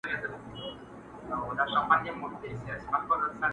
بولي یې د خدای آفت زموږ د بد عمل سزا؛